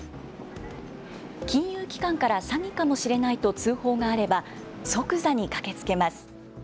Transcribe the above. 金融機関から詐欺かもしれないと通報があれば即座に駆けつけます。